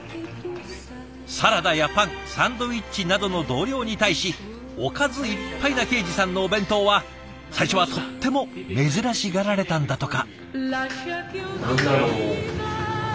サラダやパンサンドイッチなどの同僚に対しおかずいっぱいな恵司さんのお弁当は最初はとっても珍しがられたんだとか。